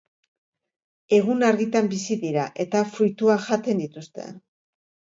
Egun-argitan bizi dira eta fruituak jaten dituzte.